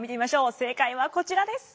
正解はこちらです。